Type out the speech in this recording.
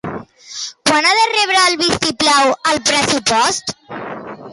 Quan ha de rebre el vistiplau, el pressupost?